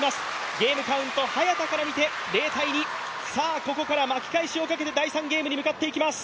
ゲームカウント、早田から見て０−２ここから巻き返しをかけて第３ゲームに向かっていきます。